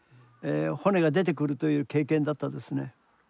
骨が出てくるという経験だったですね。